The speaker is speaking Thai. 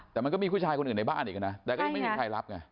แต่มันก็มีผู้ชายคนอื่นในบ้านอีกนะแต่ก็ยังไม่มีใครรับไง